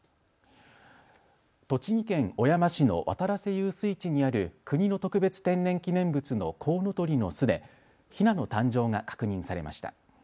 栃木県小山市の渡良瀬遊水地にある国の特別天然記念物のコウノトリの巣でヒナの誕生が確認されました。